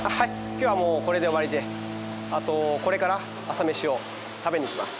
今日はもうこれで終わりであとこれから朝メシを食べに行きます。